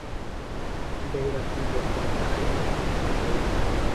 Ndahiro akunda Teta , ariko Teta akunda Yohana.